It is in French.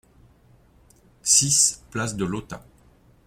six place de Lautat